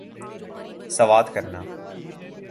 سوات کرنا